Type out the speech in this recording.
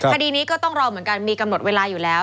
คดีนี้ก็ต้องรอเหมือนกันมีกำหนดเวลาอยู่แล้ว